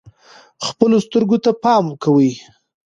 خپلو سترګو ته پام کوئ.